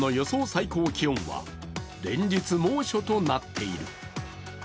最高気温は連日猛暑となっている。